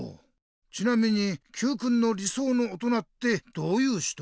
ちなみにＱくんの理想の大人ってどういう人？